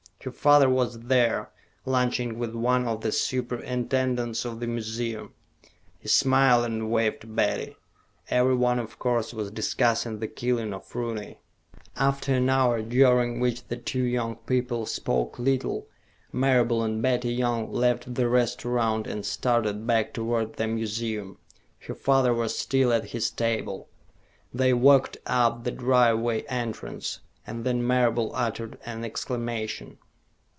Her father was there, lunching with one of the superintendents of the museum. He smiled and waved to Betty. Everyone, of course, was discussing the killing of Rooney. After an hour, during which the two young people spoke little, Marable and Betty Young left the restaurant and started back toward the museum. Her father was still at his table. They walked up the driveway entrance, and then Marable uttered an exclamation.